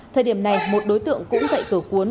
thời điểm này một đối tượng cũng cậy cửa cuốn